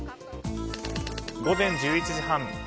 午前１１時半。